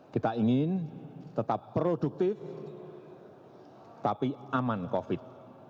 kita ingin tetap produktif tapi aman covid sembilan belas